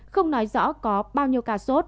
không nói rõ có bao nhiêu ca sốt